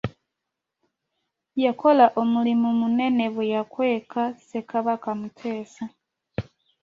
Yakola omulimu munene bwe yakweka Ssekabaka Muteesa.